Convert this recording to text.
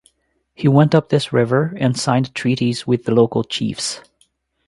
He went up this river and signed treaties with the local chiefs.